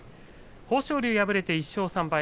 豊昇龍敗れて１勝３敗